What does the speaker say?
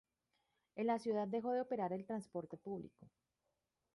En la ciudad dejó de operar el transporte público.